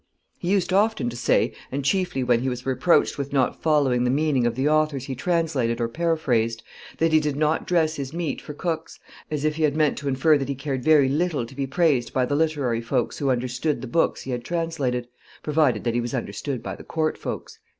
"He used often to say, and chiefly when he was reproached with not following the meaning of the authors he translated or paraphrased, that he did not dress his meat for cooks, as if he had meant to infer that he cared very little to be praised by the literary folks who understood the books he had translated, provided that he was understood by the court folks."